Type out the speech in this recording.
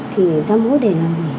thì sám hối để làm gì